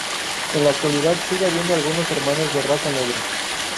En la actualidad sigue habiendo algunos hermanos de raza negra.